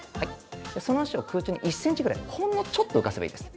その足を空中に１センチぐらいほんのちょっと浮かせばいいです。